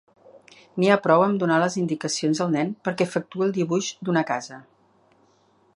N'hi ha prou amb donar les indicacions al nen perquè efectuï el dibuix d'una casa.